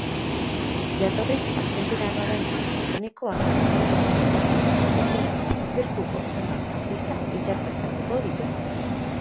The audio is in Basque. Jatorriz argentinarra den komikoak umorezko ikuskizun batekin zirkuko zenbait artista interpretatuko ditu.